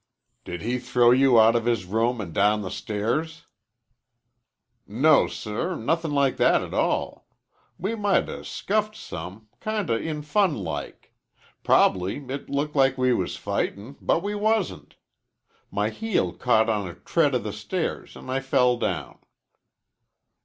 "Did he throw you out of his room and down the stairs?" "No, sir, nothin' like that a tall. We might 'a' scuffled some, kinda in fun like. Prob'ly it looked like we was fightin', but we wasn't. My heel caught on a tread o' the stairs an' I fell down."